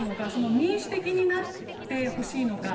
民主的になってほしいのか。